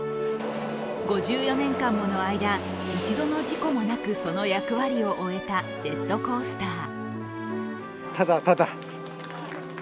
５４年間もの間一度の事故もなく、その役割を終えたジェットコースター。